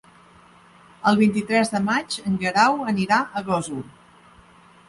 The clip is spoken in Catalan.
El vint-i-tres de maig en Guerau anirà a Gósol.